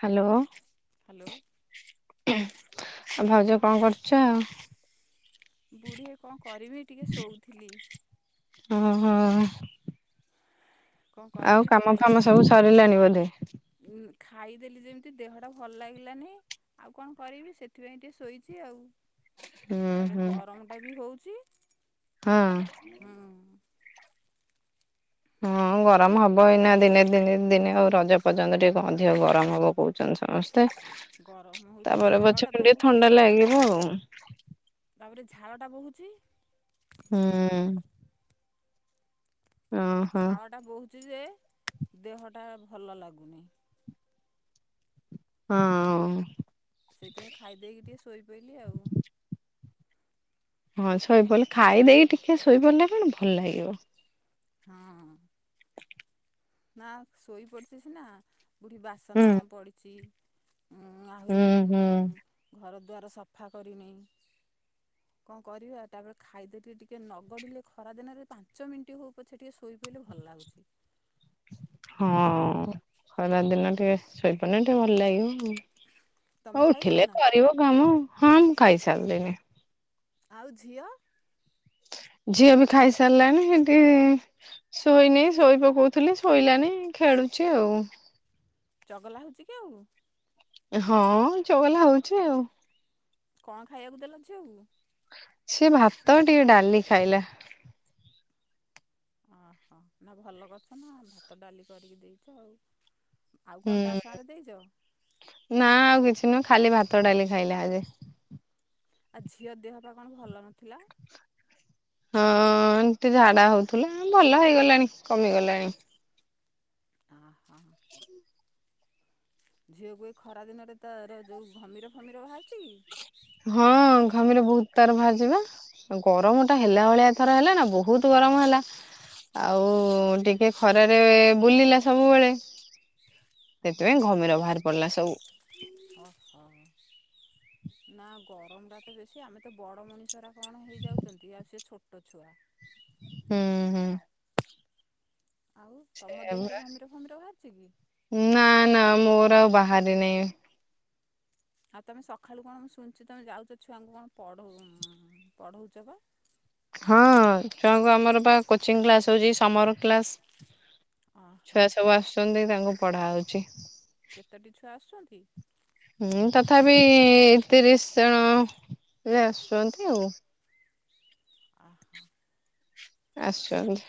Hello. Hello. ଆଉ ଭାଉଜ କଣ କରୁଛ ଆଉ? ବୁଢ଼ୀଏ କଣ କରିବି ଟିକଏ ଶୋଉଥିଲି। ଓହୋ। ଆଉ କାମ ଫାମ ସବୁ ସରିଲାଣି ବୋଧେ। ଉ ଖାଇଦେଲି ଯେମିତି ଦେହ ଟା ଭଲ ଲାଗିଲାନି। ଆଉ କଣ କରିବି ସେଥିପାଇଁ ଟିକେ ଶୋଇଛି ଆଉ। ତାପରେ ଗରମ ଟା ବି ହଉଛି ହୁଁ। ହଁ। ଗରମ ହବ ଏଇନା ଦିନେ- ଦିନେ -ଦିନେ ଆଉ ରଜ ପର୍ଯ୍ୟନ୍ତ ଟିକେ ଅଧିକ ଗରମ ହବ କହୁଚନ୍ତି ସମସ୍ତେ। ତା-ତାପରେ ପଛେ ଟିକେ ଥଣ୍ଡା ଲାଗିବ ଆଉ। ତାପରେ ଝାଳ ଟା ବହୁଚି। ହୁଁ। ଝାଳଟା ବୋହୁଚି ଯେ ଦେହଟା ଭଲ ଲାଗୁନି। ହଁ। ସେଇଥିପାଇଁ ଖାଇଦେଇକି ଟିକେ ଶୋଇ ପଇଲି ଆଉ। ହଁ ଶୋଇପଇଲେ ଖାଇ ଦେଇ ଟିକେ ଶୋଇପଡ଼ିଲେ କଣ ଭଲ ଲାଗିବ। ହଁ। ନା ଶୋଇ ପଡିଚି ସିନା ବୁଢି ବାସନ ପଡିଚି। ଆହୁରି ଘର ଦ୍ୱାର ସଫା କରିନି। କଣ କରିବା ତାପରେ ଖାଇଦେଇକି ଟିକେ ନଗଡ଼ିଲେ ଖରା ଦିନରେ ପାଞ୍ଚ ମିନିଟ୍ ହଉ ପଛେ ଟିକେ ଶୋଇ ପଇଲେ ଭଲ ଲାଗୁଚି। ହଁ ଖରାଦିନ ଟିକେ ଶୋଇପନେ ଟିକେ ଭଲ ଲାଗିବ। ହଉ ଉଠିଲେ କରିବ କାମ -ହଁ ମୁଁ ଖାଇସାରିଲିନି। ଆଉ ଝିଅ? ଝିଅ ବି ଖାଇସାରିଲାଣି ହେଟି ଶୋଇନି ଶୋଇ ପକଉଥିଲି ଶୋଇଲାନି ଖେଳୁଚି ଆଉ। ଚଗଲା ହଉଚି କି ଆଉ? ହଁ ଚଗଲା ହଉଚି ଆଉ। କଣ ଖାଇବାକୁ ଦେଲ ଝିଅକୁ? ସିଏ ଭାତ ଟିକେ ଡାଲି ଖାଇଲା। ଓହ ନା ଭଲ କରିଚ ନା ଭାତ ଡାଲି କରିକି ଦେଇଚ ଆଉ। ଆଉ କଣ ତା ସାଙ୍ଗେରେ ଦେଇଚ? ନା ଆଉ କିଛି ନୁହଁ ଖାଲି ଭାତ ଡାଲି ଖାଇଲା ଆଜି। ଆ ଝିଅ ଦେହ ପା କଣ ଭଲ ନଥିଲା? ହଁ ଏମିତି ଝାଡା ହଉଥିଲା ଭଲ ହେଇଗଲାଣି କମିଗଲାଣି। ଅ- ହ। [inaudible] ଝିଅକୁ ଏଇ ଖରା ଦିନରେ ତ ଯଉ ଘମିର ଫମିର ବାହାରିଚି କି? ହଁ ଘମିର ବହୁତ୍ ତାର ବାହାରିଚି ବା ଗରମ୍ ଟା ହେଲା ଭଳିଆ ଥର ହେଲା ନା ବହୁତ୍ ଗରମ୍ ହେଲା। ଆଉ ଟିକେ ଖରାରେ ବୁଲିଲା ସବୁବେଳେ। ସେଥିପାଇଁ ଘମିର ବାହାରି ପଡିଲା ସବୁ। ଅ- ହ। ନା ଗରମ୍ ଟା ତ ବେଶୀ ଆମେ ତ ବଡ ମଣିଷ ‌ରା କଣ ହେଇଯାଉଚନ୍ତି ଆଉ ସେ ଛୋଟ ଛୁଆ। ହୁଁ- ହୁଁ। ଆଉ ତମ ଦେହରେ ଘମିର ଫମିର ବାହାରିଚି କି? ନା ନା ମୋର ଆଉ ବାହାରିନି। ଆଉ ତମେ ସଖାଳୁ କଣ ମୁଁ ଶୁଣିଚି ତମେ ଯାଉଚ ଛୁଆଙ୍କୁ କଣ ପଢ- ପଢଉଚ ବା? ହଁ ଛୁଆଙ୍କୁ ଆମର ବା କୋଚିଂ କ୍ଲାସ୍ ହଉଚି ସମର କ୍ଲାସ୍। ଛୁଆ ସବୁ ଆସୁଚନ୍ତି ତାଙ୍କୁ ପଢା ହଉଚି। କେତେଟି ଛୁଆ ଆସୁଚନ୍ତି? ହୁଁ ତଥାପି ତିରିଶ ଜଣ ଆସୁଚନ୍ତି ଆଉ। ଆହ। ଆସୁଚନ୍ତି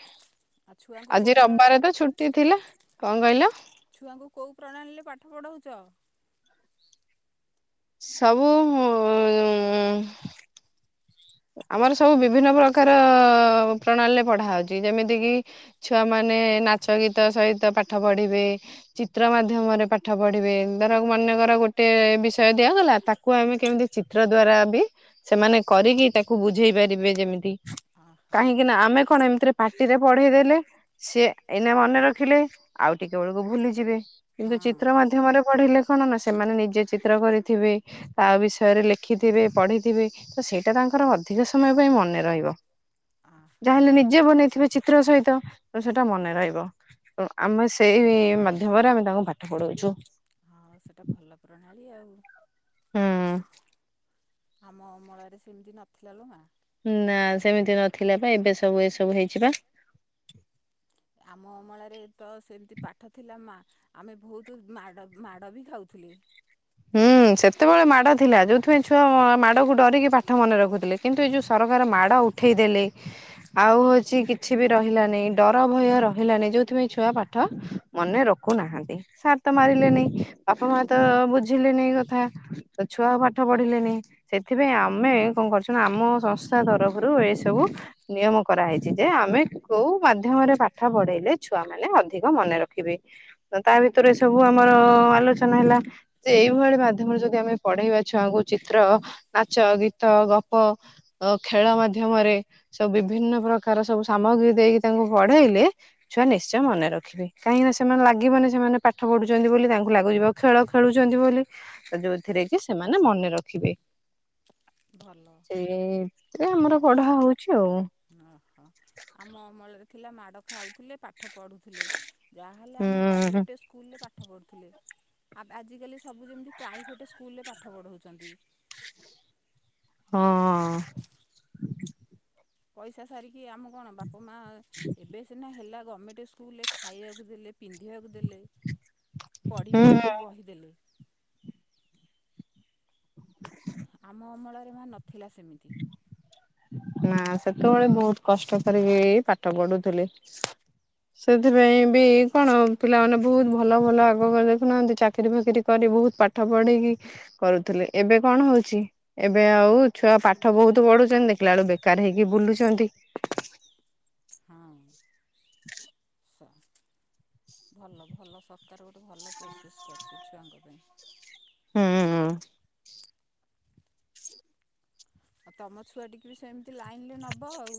ଆଜି ରବାରେ ତ ଛୁଟି ଥିଲା। କଣ କହିଲ? ଛୁଆଙ୍କୁ କୋଉ ପ୍ରଣାଳୀରେ ପାଠ ପଢୋଉଚ? ସବୁ ଉଁ ଉଁ ଆମର ସବୁ ବିଭିନ୍ନ ପ୍ରକାର ପ୍ରଣାଳୀରେ ପଢା ହୋଉଚି। ଯେମିତି କିି ଛୁଆମାନେ ନାଚ ଗୀତ ସହିତ ପାଠ ପଢିବେ। ଚିତ୍ର ମାଧ୍ୟମରେ ପାଠ ପଢିବେ। ଧର ମନେକର ଗୋଟେ ବିଷୟ ଦିଆଗଲା ତା କୁ ଆମେ କେମିତି ଚିତ୍ର ଦ୍ଵାରା ବି ସେମାନେ କରିକି ତାକୁ ବୁଝେଇ ପାରିବେ ଯେମିତି। କାହିଁକି ନା ଆମେ କଣ ଏମିତିରେ ପାଟିରେ ପଢେଇଦେଲେ। ସିଏ ଏଇନା ମନେ ରଖିଲେ ଆଉ ଟିକେ ବେଳକୁ ଭୁଲିଯିବେ। କିନ୍ତୁ ଚିତ୍ର ମାଧ୍ୟମରେ ପଢିଲେ କଣ ନା ସେମାନେ ନିଜେ ଚିତ୍ର କରିଥିବେ। ତା ବିଷୟରେ ଲେଖିଥିବେ ପଢିଥିବେ ତ ସେଇଟା ତାଙ୍କର ଅଧିକ ସମୟ ପାଇଁ ମନେ ରହିବ। ଯାହା ହେଲେ ନିଜେ ବନେଇଥିବେ ଚିତ୍ର ସହିତ ତ ସେଟା ମନେ ରହିବ। ଆମେ ସେଇ ଇ ମାଧ୍ୟମରେ ଆମେ ତାଙ୍କୁ ପାଠ ପଢୋଉଛୁ। ହଁ ସେଟା ଭଲ ପ୍ରଣାଳୀ ଆଉ। ହୁଁ। ଆମ ଅମଳରେ ସେମିତି ନଥିଲା ଲୋ ମା। ନାଁ ସେମିତି ନଥିଲା ପା ଏବେ ସବୁ ଏ ସବୁ ହେଇଛି ପା। ଆମ ଅମଳରେ ତ ସେମିତି ପାଠ ଥିଲା ମା। ଆମେ ବୋହୁତ ମାଡ ମାଡ ବି ଖାଉଥିଲେ। ହୁଁ ସେତେବେଳେ ମାଡ ଥିଲା ଯୋଉଥିପାଇଁ ଛୁଆ ମାଡକୁ ଡରିକି ପାଠ ମନେ ରଖୁଥିଲେ। କିନ୍ତୁ ଏ ଯୋଉ ସରକାର ମାଡ ଉଠେଇ ଦେଲେ। ଆଉ ହୋଉଚି କିଛି ବି ରହିଲାନି ଡର ଭୟ ରହିଲାନି। ଯୋଉଥିପାଇଁ ଛୁଆ ପାଠ ମନେ ରଖୁନାହାନ୍ତି। ସାର୍ ତ ମାରିଲେନି ବାପା ମା ତ ବୁ ଝିଲେନି ଏଇ କଥା ତ ଛୁଆ ଆଉ ପାଠ ପଢିଲେନି। ସେଥିପାଇଁ ଆମେ କଣ କରିଚୁ ନା ଆମ ସଂସ୍ଥା ତରଫରୁ ଏ ସବୁ ନିୟମ କରାହେଇଚି ଯେ ଆମେ କୋଉ ମାଧ୍ୟମରେ ପାଠ ପଢେଇଲେ ଛୁଆ ମାନେ ଅଧିକ ମନେ ରଖିବେ। ତା ଭିତରୁ ଏ ସବୁ ଆମର ଆଲୋଚନା ହେଲା। ସେ ଏଇଭଳି ମାଧ୍ୟମରେ ଯଦି ଆମେ ପଢେଇବା ଛୁଆଙ୍କୁ ଚିତ୍ର, ନାଚ, ଗୀତ, ଗପ ଓ ଖେଳ ମାଧ୍ୟମରେ ସବୁ ବିଭିନ୍ନ ପ୍ରକାର ସବୁ ସାମଗ୍ରୀ ଦେଇକି ତାଙ୍କୁ ପଢେଇଲେ ଛୁଆ ନିଶ୍ଚୟ ମନେ ରଖିବେ, କାହିଁକି ନା ସେମାନେ ଲାଗିବନି ସେମାନେ ପାଠ ପଢୁଚନ୍ତି ବୋଲି ତାଙ୍କୁ ଲାଗୁଯିବ ଖେଳ ଖେଳୁ ଚନ୍ତି ବୋଲି ଯୋଉଥିରେ କି ସେମାନେ ମନେ ରଖିବେ। ସେଇଥିରେ ଆମର ପଢା ହୋଉଚି ଆଉ। ଓହୋ ଆମ ଅମଳାରେ ଥିଲା ମାଡ ଖାଉଥିଲେ ପା ପାଠ ପଢୁଥିଲେ ଯାହାହେଲେ ଆମେ ଗମେଟେ ସ୍କୁଲୁରେ ପାଠ ପଢୁଥିଲେ। ଆବେ ଆଜି କାଲି ସବୁ ଯେମିତି ପ୍ରାଇଭେଟ୍ ସ୍କୁଲରେ ପାଠ ପଢୋଉଚନ୍ତି। ହଁ। ପଇଷା ସାରିକି ଆମେ କଣ ବାପା ମା ଏବେ ସିନା ହେଲା ଗମେଣ୍ଟ ସ୍କୁଲରେ ଖାଇବାକୁ ଦେଲେ, ପିନ୍ଧିବାକୁ ଦେଲେ, ପଢିବାକୁ ବି ବହିଦେଲେ। ଆମ ଅମଳା ଳରେ ମା ନଥିଲା ସେମିତି। ନାଁ ସେତେବେଳେ ବୋହୁତ କଷ୍ଟ କରିକି ଏଇ ପାଠ ପଢୁଥିଲେ। ସେଥିପାଇଁ ବି କଣ ପିଲାମାନେ ବୋହୁତ ଭଲ ଭଲ ଆଗ କାଳରେ ଦେଖୁନାହାନ୍ତି ଚାକିରି ଫାକିରି କରି ବୋହୁତ ପାଠ ପଢିକି କରୁଥିଲେ ଏବେ କଣ ହଉଚି ଏବେ ଆଉ ଛୁଆ ପାଠ ବହୁତ ପଢୁଛନ୍ତି ଦେ ଖିଲାବେଳୁ ବେକାର ହେଇକି ବୁଲୁଛନ୍ତି। ହଁ। [unintelligible] ସ ଭଲ ଭଲ ସରକାର ଗୋଟେ ଭଲ ପ୍ରୋସିସ୍ କରିଛି ଛୁଆଙ୍କ ପାଇଁ। ହୁଁ। ଆଉ ତମ ଛୁଆ ଟିକୁ ବି ସେମିତି ଲାଇନ ଲେ ନବ ଆଉ।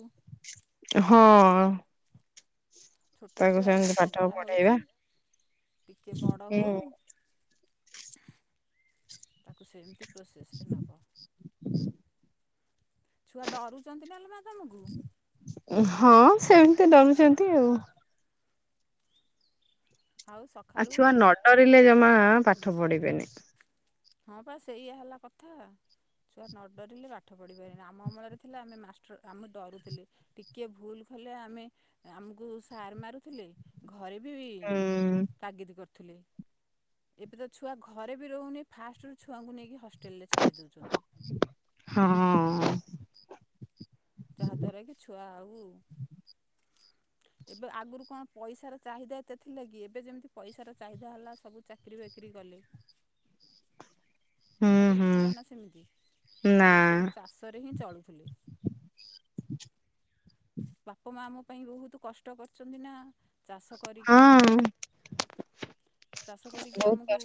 ହଁ। ଛୋଟ ଛୁଆ ଏଇନା ଚଗଲା ହଉଛି ଟିକିଏ ବଡ଼ ହଉ। ତାକୁ ସେମିତି ପ୍ରୋସେସ୍ ରେ ନବ। ହ [unintelligible] ଛୁଆ ଡରୁଛନ୍ତି ନାଲୋ ମା ତମକୁ। ହଁ ସେମିତି ଡରୁଚନ୍ତି ଆଉ। ଆ ଛୁଆ ନ ଡରିଲେ ଜମା ପାଠ ପଢିବେନି। ହଁ ପା ସେଇଆ ହେଲା କଥା। ଛୁଆ ନଡରିଲେ ପାଠ ପଢ଼ି ପାରିବେନି ଆମ ଅମଳରେ ଥିଲା ଆମେ ମାଷ୍ଟର ଆମେ ଡରୁଥିଲେ। ଟିକିଏ ଭୁଲ କଲେ ଆମେ ଆମକୁ ସାର ମାରୁଥିଲେ। ଘରେବି ତାଗିଦ କରୁଥିଲେ ଏବେ ତ ଛୁଆ ଘରେ ବି ରହୁନି। ଫାଷ୍ଟରୁ ଛୁଆଙ୍କୁ ନେଇକି ହଷ୍ଟେଲରେ ଛାଡ଼ି ଦଉଛନ୍ତି। ହଁ। ଯାହାଦ୍ଵାରା କି ଛୁଆ ଆଉ। [inaudible] ଏବେ ଆଗୁରୁ କଣ ପଇସାର ଚାହିଦା ଏତେ ଥିଲା କି ଏବେ ଯେମିତି ପଇସାର ଚାହିଦା ହେଲା ସବୁ ଚାକିରି ବାକିରି କଲେ। [inaudible] ଆଗରୁ ଥିଲା ନା ସେମିତି ଆଗରୁ ସବୁ ଚାଷରେ ହିଁ ଚଳୁଥିଲେ। ବାପା ମା ଆମ ପାଇଁ ବହୁତ କଷ୍ଟ କରିଛନ୍ତି ନା। ଚାଷ କରିକି, ଚାଷ କରିକି ଆମକୁ।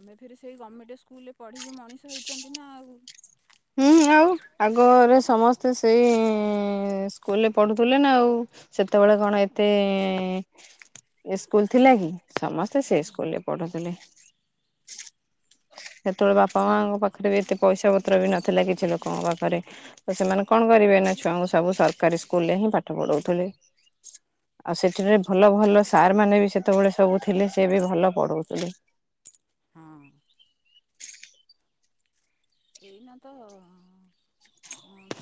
ଆମେ ଫିରି ସେଇ ଗମେଟେ ସ୍କୁଲ ରେ ପଢିକି ମଣିଷ ହେଇଛନ୍ତି ନା ଆଉ। ହୁଁ ଆଉ ଆଗରେ ସମସ୍ତେ ସେଇ ସ୍କୁଲରେ ପଢ଼ୁଥିଲେ ନା ଆଉ। ସେତେବେଳେ କଣ ଏତେ। ଏ ସ୍କୁଲ ଥିଲା କି ସମସ୍ତେ ସେ ସ୍କୁଲରେ ପଢୁଥିଲେ। ହେତେବେଳେ ବାପା ମାଙ୍କ ପାଖରେ ବି ଏତେ ପଇସା ପତ୍ରବି ନଥିଲା କିଛି ଲୋକଙ୍କ ପାଖରେ। ତ ସେମାନେ କଣ କରିବେ ନା ଛୁଆଙ୍କୁ ସବୁ ସରକାରୀ ସ୍କୁଲରେ ହିଁ ପାଠ ପଢଉଥିଲେ। ଆଉ ସେଥିରେ ଭଲ ଭଲ ସାର୍ ମାନେବି ସେତେବେଳେ ସବୁ ଥିଲେ ସେ ବି ଭଲ ପଢଉଥିଲେ। ହଁ। ଏଇନା ତ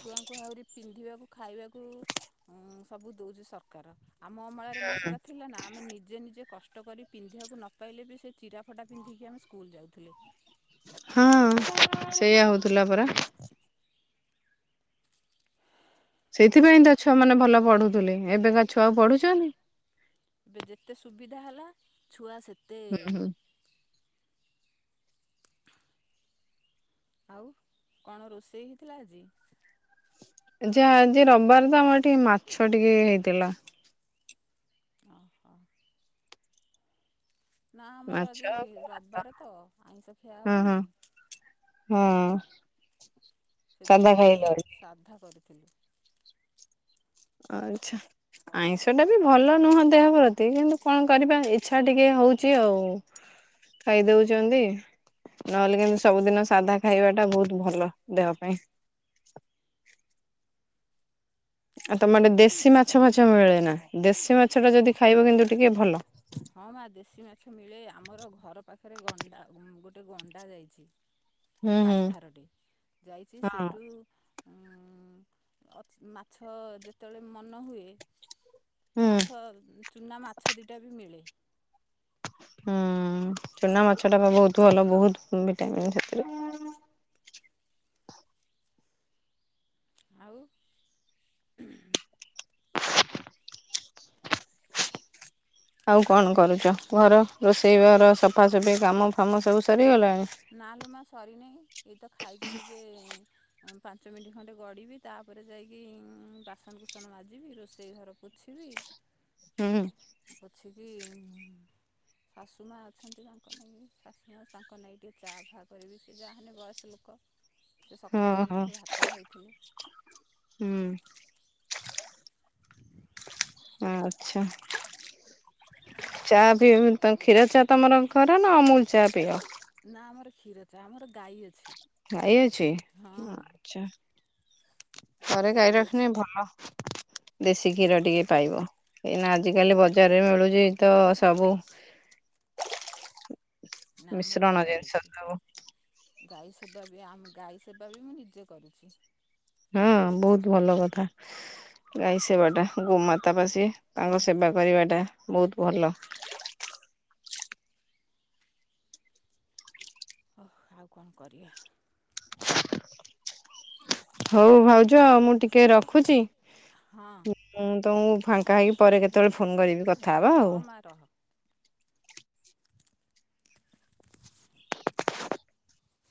ଛୁଆଙ୍କୁ ଆହୁରି ପିନ୍ଧିବାକୁ ଖାଇବାକୁ ସବୁ ଉଁ ଦଉଛି ସରକାର। ଆମ ଅମଳରେ ମା ସେରା ଥିଲା ନା ଆମେ ନିଜେ ନିଜେ କଷ୍ଟ କରି ପିନ୍ଧିବାକୁ ନ ପାଇଲେବି ସେ ଚିରାଫଟା ପିନ୍ଧିକି ଆମେ ସ୍କୁଲ୍ ଯାଉଥିଲେ। ହଁ ସେଇଆ ହଉଥିଲା ପରା। ସେଇଥିପାଇଁ ତ ଛୁଆ ମାନେ ଭଲ ପଢୁଥିଲେ ଏବେକା ଛୁଆ ଆଉ ପଢୁଛନ୍ତି। ଏବେ ଯେତେ ସୁବିଧା ହେଲା, ଛୁଆ ସେତେ [inaudible] ଆଉ କଣ ରୋଷେଇ ହେଇଥିଲା ଆଜି? ଯେ ଆଜି ରବିବାର ତ ଆମର ଟିକିଏ ମାଛ ଟିକିଏ ହେଇଥିଲା। ଅହ। ନା ଆମର ଆଜି ରବିବାର ତ ଆଇଁଷ ଖିଆ ହବନି। ହୁଁ। ସେଠି ଆମର ସା-ସା-ସାଧା କରିଥିଲୁ। ଆଚ୍ଛା ଆଇଁଷଟା ବି ଭଲ ନୁହଁ ଦେହ ପ୍ରତି। କିନ୍ତୁ କଣ କରିବା ଇଚ୍ଛା ଟିକେ ହଉଛି ଆଉ ଖାଇ ଦଉଛନ୍ତି। ନହେଲେ କିନ୍ତୁ ସବୁଦିନ ସାଧା ଖାଇବାଟା ବହୁତ ଭଲ ଦେହ ପାଇଁ। ଆଉ ତମରଟେ ଦେଶୀ ମାଛ ମାଛ ମିଳେନା? ଦେଶୀ ମାଛ ଟା ଯଦି ଖାଇବ କିନ୍ତୁ ଟିକେ ଭଲ। ହଁ ମା ଦେଶୀ ମାଛ ମିଳେ। ଆମର ଘର ପାଖରେ ଗଣ୍ଡା ଉଁ ଗୋଟେ ଗଣ୍ଡା ଯାଇଛି। ପାଣି ଧାରଟି ଯାଇଛି। ସେଇଠୁ ଉଁ ଅ ମାଛ ଯେତେବେଳେ ମନ ହୁଏ ଚୁନା ମାଛ ଦିଟା ବି ମିଳେ। ହୁଁ ଚୁନା ମାଛଟା ବା ବହୁତ ଭଲ। ବହୁତ ଭିଟାମନ୍ ସେଥିରେ। ଆଉ। [unintelligible] ଆଉ କଣ କରୁଛ? ଘର ରୋଷେଇ ଘର ସଫାସଫି କାମଫାମ ସବୁ ସରିଗଲାଣି? ନାଲୋ ମା ସରିନେଇ। ଏଇତ ଖାଇକି ଟିକେ ପାଞ୍ଚ ମିଣ୍ଟୀ ଖଣ୍ଡେ ଗଡ଼ିବି। ତାପରେ ଯାଇକି ବାସନ କୁସନ ମାଜିବି। ରୋଷେଇ ଘର ପୋଛିବି। ହୁଁ। ପୋଛିକି ଉଁ ଶାଶୁ ମା ଅଛନ୍ତି ତାଙ୍କ ନେଇକି ଶାଶୁ ମା ତାଙ୍କ ନେଇ ଟିକି ଚା ଫା କରିବି। ସେ ଯାହାହେଲେ ବୟସ ଲୋକ। ସେ ସକାଳୁ ମୁଠେ ଭାତ ଖାଇଥିଲେ। ହୁଁ। [inaudible] ଆଚ୍ଛା। ଚା ପିଅ କ୍ଷୀର ଚା ତମର କର ନା ଅମୁଲ ଚା ପିଅ। ନା ଆମର କ୍ଷୀର ଚା ଆମର ଗାଈ ଅଛି। ଗାଈ ଅଛି ଆଛା ଘରେ ଗାଈ ରଖିଲେ ଭଲ। ଦେଶୀ କ୍ଷିର ଟିକେ ପାଇବ। କାଇଁନା ଆଜିକାଲି ବଜ ବଜାରେ ମିଳୁଛି ତ ସବୁ। ନା ଆମର ଗାଈ ଅଛି। ଗାଈ ସେବା ବି ଆମ ଗାଈ ସେବା ବି ମୁଁ ନିଜେ କରୁଛି। ହଁ ବହୁତ ଭଲ କଥା। ଗାଈ ସେବାଟା ଗୋମାତା ପା ସିଏ ତାଙ୍କ ସେବା କରିବାଟା ବହୁତ ଭଲ। ଓହ ଆଉ କଣ କରିବା? ହଉ ଭାଉଜ ମୁଁ ଟିକେ ରଖୁଛି। ମୁଁ ତମକୁ ଫାଙ୍କା ହେଇକି ପରେ କେତେବେଳେ ଫୋନ କରିବି କଥାହବା ଆଉ। ଆ ରହ। [inaudible]